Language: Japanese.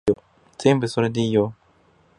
全部それでいいよ